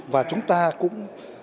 và chúng ta cũng